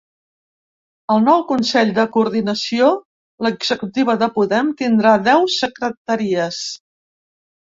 El nou consell de coordinació –l’executiva de Podem– tindrà deu secretaries.